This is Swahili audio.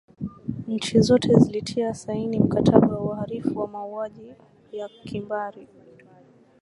nchi zote zilitia saini mkataba wa uharifu wa mauaji ya kimbari